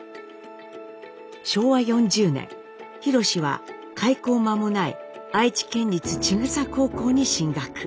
昭和４０年ひろしは開校間もない愛知県立千種高校に進学。